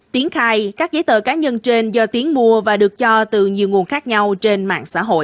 tiến khai các giấy tờ cá nhân trên do tiến mua và được cho từ nhiều nguồn khác nhau trên mạng xã hội